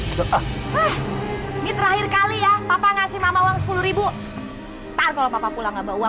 ini terakhir kali ya papa ngasih mama uang sepuluh ribu ntar kalau papa pulang nggak bawa uang